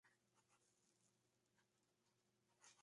Tras el inicio de la guerra, pasó a dirigirla Serapio Esparza.